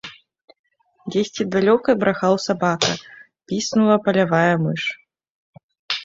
Дзесьці далёка брахаў сабака, піснула палявая мыш.